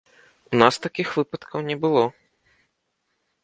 У нас такіх выпадкаў не было!